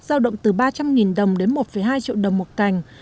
giao động từ ba trăm linh đồng đến một hai triệu đồng một cành